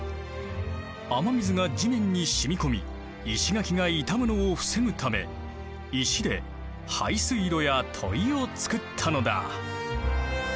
雨水が地面にしみこみ石垣が傷むのを防ぐため石で排水路やを作ったのだ。